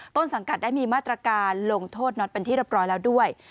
ต้นสังกัดได้มีมาตรการลงโทษน็อตเป็นที่เรียบร้อยแล้วด้วย